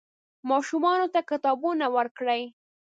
ماشومانو ته کتابونه ورکړئ.